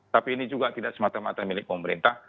tapi ini juga tidak semata mata milik pemerintah